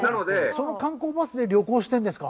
その観光バスで旅行してるんですか？